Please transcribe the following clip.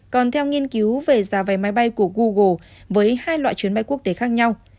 còn theo nghiên cứu về giá vé máy bay của google với hai loại chuyến bay quốc tế khác nhau